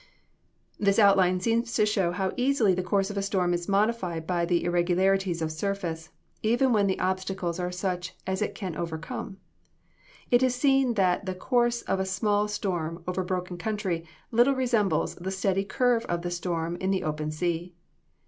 This outline seems to show how easily the course of a storm is modified by the irregularities of surface, even when the obstacles are such as it can overcome. It is seen that the course of a small storm over broken country, little resembles the steady curve of the storm in the open sea.